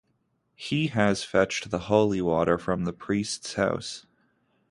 He has fetched the holy water from the priest's house.